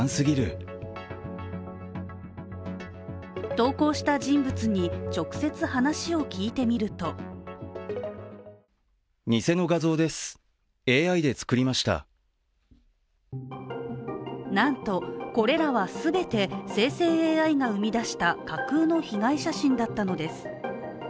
投稿した人物に直接、話を聞いてみるとなんと、これらは全て生成ＡＩが生み出した架空の被害写真だったのです。